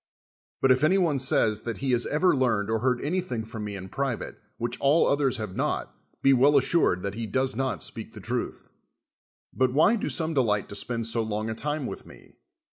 But if any one says that he lias ever learned or heard anything Irom me in private, which all others have not, be well as sni'ed that he does not sj)eak the truth. But wliy do some delight to spend so long a time with me?